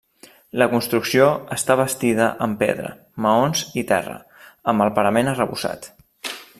La construcció està bastida amb pedra, maons i terra, amb el parament arrebossat.